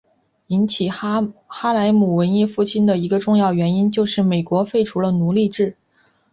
引起哈莱姆文艺复兴的一个重要原因就是美国废除了奴隶制。